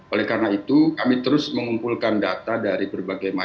oleh karena itu kami terus mengumpulkan data dari berbagai macam